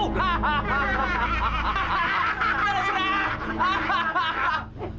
tidak ada serangan